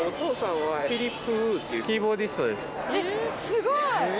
すごい！